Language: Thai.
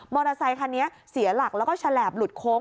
อเตอร์ไซคันนี้เสียหลักแล้วก็ฉลาบหลุดโค้ง